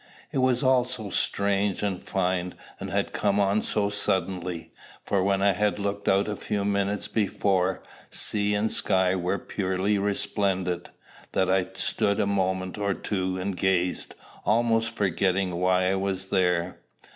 It was all so strange and fine, and had come on so suddenly, for when I had looked out a few minutes before, sea and sky were purely resplendent, that I stood a moment or two and gazed, almost forgetting why I was there.